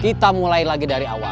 kita mulai lagi dari awal